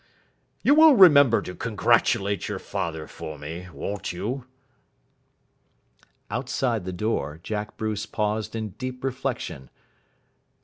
You will remember to congratulate your father for me, won't you?" Outside the door Jack Bruce paused in deep reflection.